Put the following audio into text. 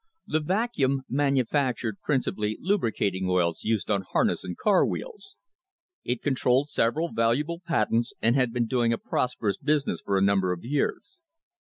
The Vacuum manufactured principally lubricating oils used on harness and car wheels. It controlled several valuable patents and had been doing a prosperous business for a num ber of years.